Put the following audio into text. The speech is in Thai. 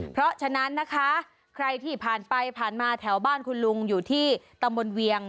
เพราะฉะนั้นนะคะใครที่ผ่านไปผ่านมาแถวบ้านคุณลุงอยู่ที่ตำบลเวียง